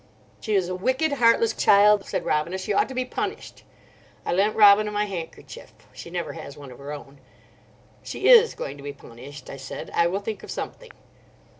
"She is a wicked, heartless child," said Robina; "she ought to be punished." I lent Robina my handkerchief; she never has one of her own. "She is going to be punished," I said; "I will think of something."